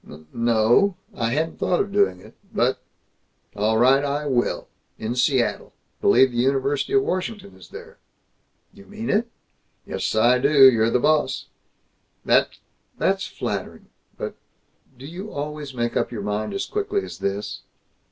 "N no, I hadn't thought of doing it, but All right. I will! In Seattle! B'lieve the University of Washington is there." "You mean it?" "Yes. I do. You're the boss." "That's that's flattering, but Do you always make up your mind as quickly as this?"